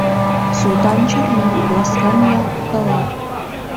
Султан чарна, ласкан ниялткала.